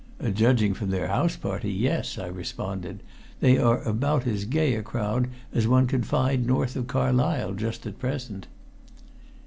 "Judging from their house party, yes," I responded. "They are about as gay a crowd as one could find north of Carlisle just at present."